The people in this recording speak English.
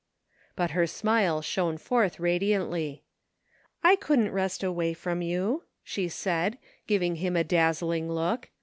But her smile shone forth radiantly. " I couldn't rest away from you," she said, giving him a dazzling look.